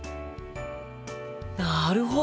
なるほど！